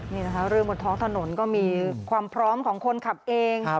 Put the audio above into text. นี่นะคะเรื่องบนท้องถนนก็มีความพร้อมของคนขับเอง